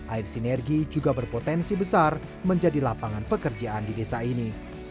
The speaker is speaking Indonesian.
air sinergi juga berpotensi besar menjadi lapangan pekerjaan di desa ini